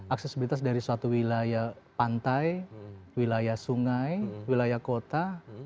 aksesibilitas dari suatu wilayah pantai wilayah sungai wilayah kota